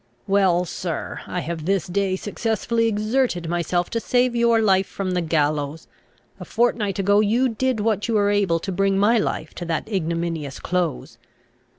"Well, sir, I have this day successfully exerted myself to save your life from the gallows. A fortnight ago you did what you were able to bring my life to that ignominious close.